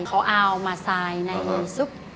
เขาเอามาทรายในซุป